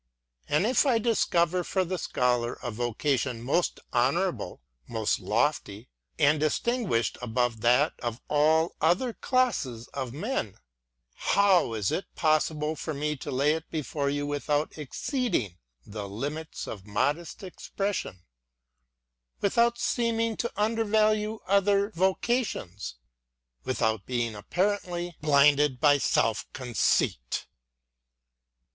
And if I discover for the Scholar a vocation most honourable, most lofty, and distinguished above that of all other classes of men, how is it possible for me to lay it before you without exceeding the limits of modest expression, — without seeming to undervalue other vocations, — without being apparently blinded by self conceit